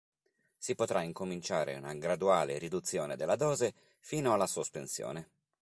Si potrà incominciare una graduale riduzione della dose fino alla sospensione.